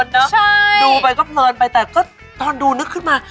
ดูไปก็เพลินไปแต่ก็ตอนดูนึกขึ้นมา